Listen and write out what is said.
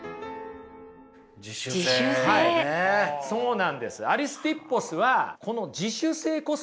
そうなんです。